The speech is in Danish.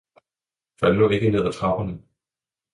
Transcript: Fald ikke ned af trapperne!